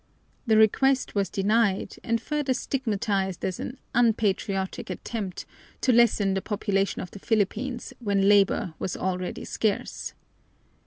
The request was denied, and further stigmatized as an "unpatriotic" attempt to lessen the population of the Philippines, when labor was already scarce.